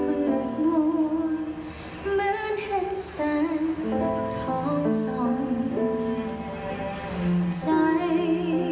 ข้างน้องมือเธอสองก้มน้องกราบด้วยหัวใจ